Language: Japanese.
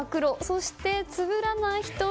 そして、つぶらな瞳。